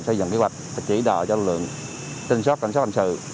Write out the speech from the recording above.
xây dựng kế hoạch và chỉ đạo cho lực lượng tinh sát cảnh sát hành sự